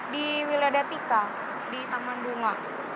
di wiladatika di taman bunga